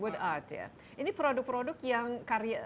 wood art ya ini produk produk yang karya